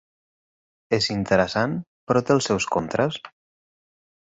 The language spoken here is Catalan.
És interessant, però té els seus contres.